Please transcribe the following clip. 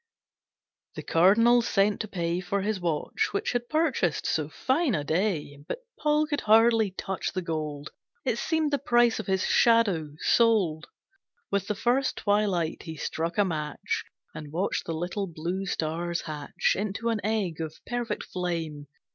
The Cardinal sent to pay For his watch, which had purchased so fine a day. But Paul could hardly touch the gold, It seemed the price of his Shadow, sold. With the first twilight he struck a match And watched the little blue stars hatch Into an egg of perfect flame.